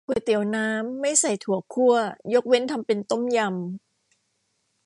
ก๋วยเตี๋ยวน้ำ ไม่ใส่ถั่วคั่ว ยกเว้นทำเป็นต้มยำ